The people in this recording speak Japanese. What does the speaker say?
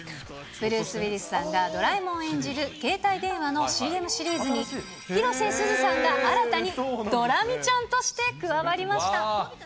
ブルース・ウィリスさんがドラえもんを演じる携帯電話のＣＭシリーズに、広瀬すずさんが新たにドラミちゃんとして加わりました。